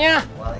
dia bisa ragam